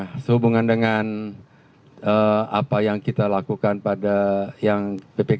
nah sehubungan dengan apa yang kita lakukan pada yang ppkg gbkl dan bnpg